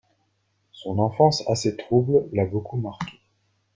Son enfance, assez trouble, l'a beaucoup marquée.